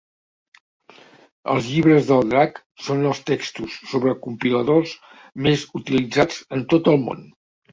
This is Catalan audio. Els llibres del drac són els textos sobre compiladors més utilitzats en tot el món.